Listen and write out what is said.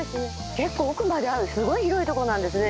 結構奥まであるすごい広いとこなんですね。